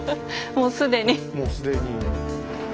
もう既に。